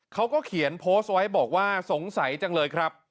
เขาก็เขียนโพสต์ไว้บอกว่าสงสัยจังเลยครับ